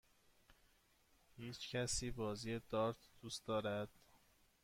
هیچکسی بازی دارت دوست دارد؟